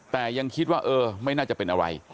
แต่ยังคิดว่าเออไม่น่าจะเป็นอะไร